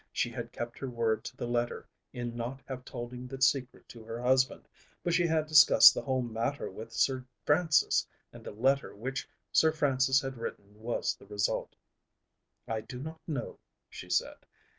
She had kept her word to the letter in not having told the secret to her husband but she had discussed the whole matter with Sir Francis, and the letter which Sir Francis had written was the result. "I do not know," she said.